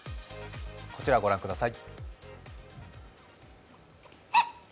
こちら、御覧ください。